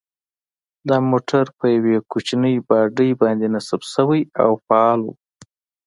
دا موټر په یوې کوچنۍ باډۍ باندې نصب شوی او فعال و.